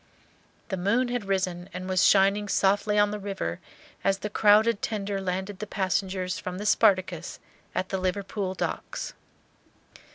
The moon had risen and was shining softly on the river as the crowded tender landed the passengers from the "Spartacus" at the Liverpool docks.